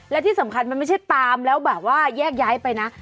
และที่สำคัญมันไม่ใช่ตามแล้วแบบว่าแยกย้ายไปนะ